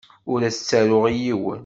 Ur as-ttaruɣ i yiwen.